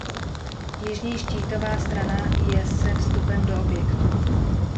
Jižní štítová strana je se vstupem do objektu.